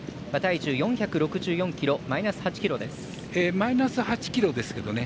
マイナス８ｋｇですけどね